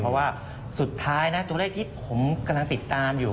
เพราะว่าสุดท้ายนะตัวเลขที่ผมกำลังติดตามอยู่